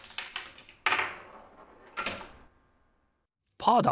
パーだ！